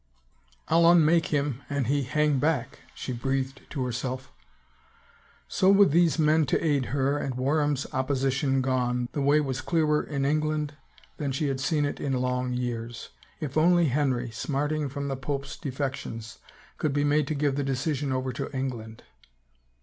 " I'll unmake him an he hang back," she breathed to herself. So with these 18 247 THE FAVOR OF KINGS men to aid her and Warham's opposition gone, the way . was clearer in England than she had seen it in long years. If only Henry, smarting from the pope's defections, could be made to give the decision over to England!